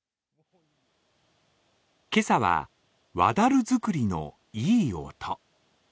今朝は、和樽作りのいい音。